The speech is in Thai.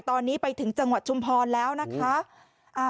ตอนนี้ไปถึงจังหวัดชุมพรแล้วนะคะ